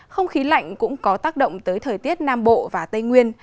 không khí lạnh cũng có tác động tới thời tiết nam bộ và tây nguyên